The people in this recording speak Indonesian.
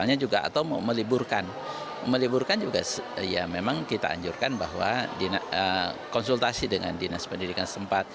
atau meliburkan meliburkan juga memang kita anjurkan bahwa konsultasi dengan dinas pendidikan setempat